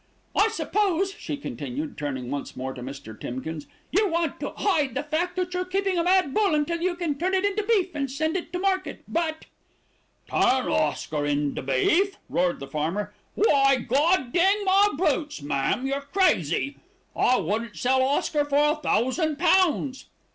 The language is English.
"I suppose," she continued, turning once more to Mr. Timkins, "you want to hide the fact that you're keeping a mad bull until you can turn it into beef and send it to market; but " "Turn Oscar into beef!" roared the farmer. "Why, God dang my boots, ma'am, you're crazy! I wouldn't sell Oscar for a thousand pounds."